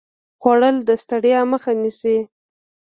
خوړل د ستړیا مخه نیسي